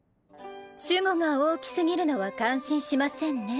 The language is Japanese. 主語が大きすぎるのは感心しませんね